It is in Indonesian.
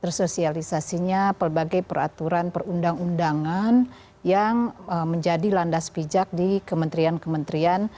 tersosialisasinya pelbagai peraturan perundang undangan yang menjadi landas pijak di kementerian kementerian